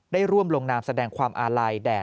ได้ร่วมลงนามแสดงความอาลัยแด่